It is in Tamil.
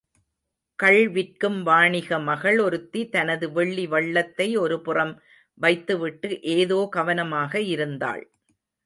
கள் விற்கும் வாணிக மகள் ஒருத்தி தனது வெள்ளி வள்ளத்தை ஒரு புறம் வைத்துவிட்டு ஏதோ கவனமாக இருந்தாள்.